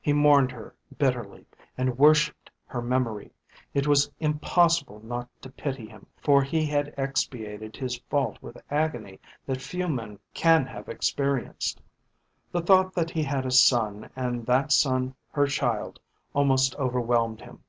He mourned her bitterly, and worshipped her memory. It was impossible not to pity him, for he had expiated his fault with agony that few men can have experienced. The thought that he had a son and that son her child almost overwhelmed him.